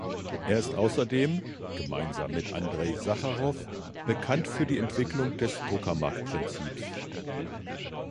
Er ist außerdem, gemeinsam mit Andrei Sacharow, bekannt für die Entwicklung des Tokamak-Prinzips.